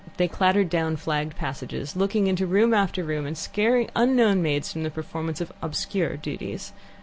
They clattered down flagged passages, looking into room after room, and scaring unknown maids from the performance of obscure duties.